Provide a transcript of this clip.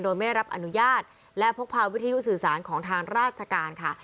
โดยไม่ได้รับอนุญาตและพกพาวิทยุสื่อสารของทางราชการค่ะ